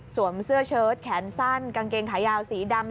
เสื้อเชิดแขนสั้นกางเกงขายาวสีดำ